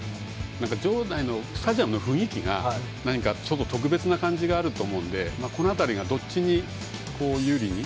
場内のスタジアムの雰囲気が特別な感じがあると思うのでこの辺りがどっちに有利に。